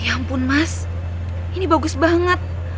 ya ampun mas ini bagus banget